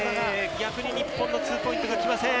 逆に日本のツーポイントきません。